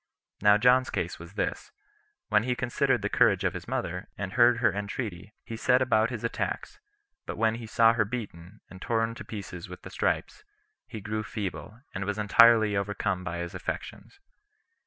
Now John's case was this: When he considered the courage of his mother, and heard her entreaty, he set about his attacks; but when he saw her beaten, and torn to pieces with the stripes, he grew feeble, and was entirely overcome by his affections.